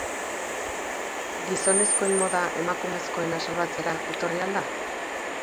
Gizonezkoen moda emakumezkoena salbatzera etorri al da?